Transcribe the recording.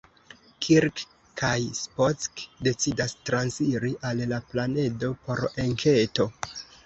Kirk kaj Spock decidas transiri al la planedo por enketo.